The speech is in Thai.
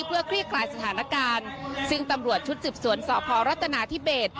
เพื่อคลี่คลายสถานการณ์ซึ่งตำรวจชุดสืบสวนสพรัฐนาธิเบส